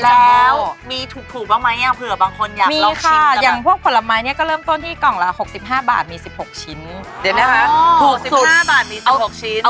แล้วมีถูกถูกบ้างไหมอะเผื่อบางคนอยากลองชิงมีค่ะอย่างพวกผลไม้เนี่ยก็เริ่มต้นที่กล่องละ๖๕บาทมี๑๖ชิ้นเดี๋ยวนะฮะ